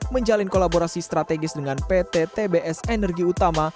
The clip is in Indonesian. menjalin kolaborasi strategis dengan pt tbs energi utama